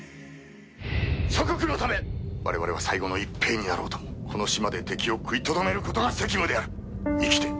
祖国のためわれわれは最後の一兵になろうともこの島で敵を食いとどめることが責務である。